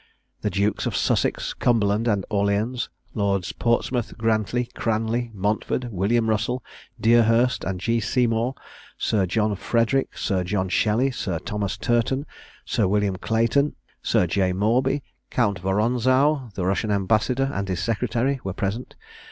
The Dukes of Sussex, Cumberland, and Orleans; Lords Portsmouth, Grantley, Cranley, Montford, William Russel, Deerhurst, and G. Seymour; Sir John Frederick, Sir John Shelley, Sir Thomas Turton, Sir William Clayton, Sir J. Mawby; Count Woronzow, the Russian ambassador, and his secretary, were present.